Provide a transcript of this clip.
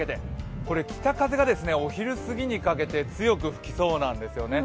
これ北風がお昼すぎにかけて強く吹きそうなんですね。